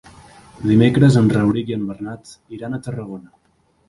Dimecres en Rauric i en Bernat iran a Tarragona.